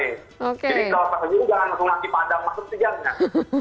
jadi kalau pas takjil jangan langsung lagi padang masuk sejalan jalan